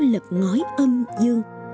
lật ngói âm dương